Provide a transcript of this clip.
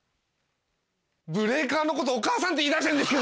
ブレーカーのことお母さんって言いだしてんですけど！